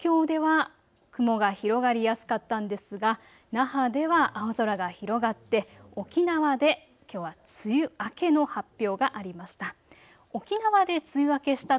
東京では雲が広がりやすかったんですが那覇では青空が広がって沖縄できょうは梅雨明けの発表がありました。